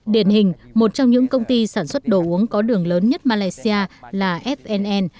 điển hình một trong những công ty sản xuất đồ uống có đường lớn nhất malaysia là fnn